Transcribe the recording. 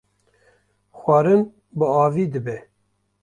xwarin bi avî dibe